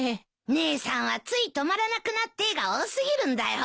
姉さんは「つい止まらなくなって」が多過ぎるんだよ。